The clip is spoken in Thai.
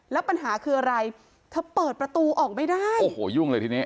แล้วปัญหาคืออะไรเธอเปิดประตูออกไม่ได้โอ้โหยุ่งเลยทีนี้